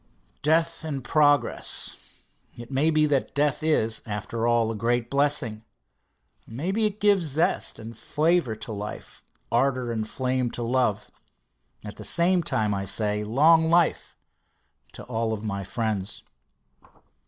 "Death and progress!" It may be that death is, after all, a great blessing. Maybe it gives zest and flavor to life, ardor and flame to love. At the same time I say, "long life" to all my friends.